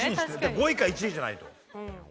５位か１位じゃないと。